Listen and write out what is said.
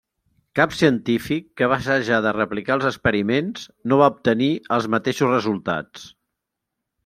Cap científic que va assajar de replicar els experiments, no va obtenir els mateixos resultats.